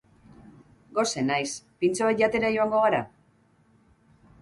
Gose naiz, pintxo bat jatera joango gara?